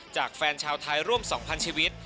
จากแฟนชาวไทยร่วม๒๐๐ชีวิต